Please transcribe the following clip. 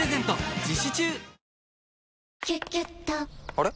あれ？